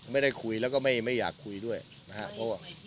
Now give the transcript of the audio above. ไม่ได้คุยแล้วก็ไม่อยากคุยด้วยนะครับเพราะว่า